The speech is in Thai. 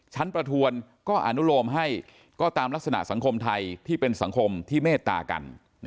ประทวนก็อนุโลมให้ก็ตามลักษณะสังคมไทยที่เป็นสังคมที่เมตตากัน